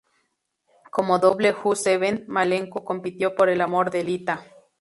Como Double Ho Seven, Malenko compitió por el amor de Lita.